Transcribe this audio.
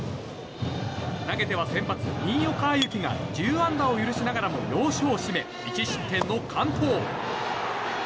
投げては先発、新岡歩輝が１０安打を許しながらも要所を締め、１失点の完投。